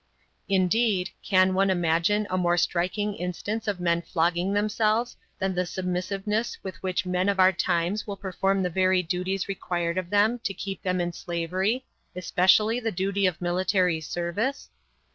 Indeed, can one imagine a more striking instance of men flogging themselves than the submissiveness with which men of our times will perform the very duties required of them to keep them in slavery, especially the duty of military service?